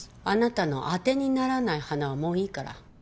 あなたの当てにならない鼻はもういいから。